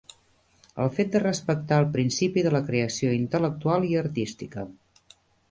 El fet de respectar el principi de la creació intel·lectual i artística.